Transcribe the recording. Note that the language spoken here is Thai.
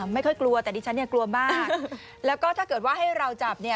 ไม่ค่อยกลัวแต่ดิฉันเนี่ยกลัวมากแล้วก็ถ้าเกิดว่าให้เราจับเนี่ย